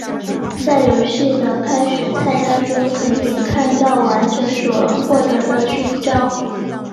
在游戏的开始菜单中可以看到完成所获得的勋章。